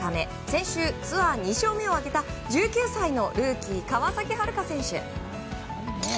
先週ツアー２勝目を挙げた１９歳のルーキー川崎春花選手。